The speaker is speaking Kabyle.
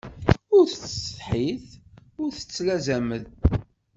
Ur tettsetḥiḍ ur tettlazamed.